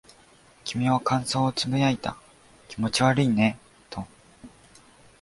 君は感想を呟いた。気持ち悪いねと。